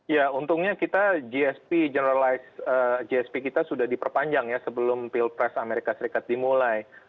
ya untungnya kita gsp generalized gsp kita sudah diperpanjang ya sebelum pilpres amerika serikat dimulai